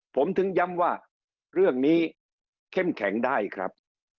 ผมถึงย้ำว่าเรื่องนี้เข้มแข็งได้ครับ